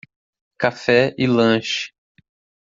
Café e lanche